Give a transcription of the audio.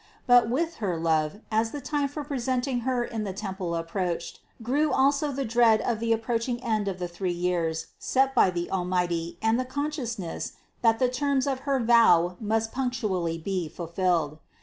But with her love, as the time for presenting Her in the THE CONCEPTION 319 temple approached, grew also the dread of the approach ing end of the three years set by the Almighty and the consciousness, that the terms of her vow must punctually be fulfilled.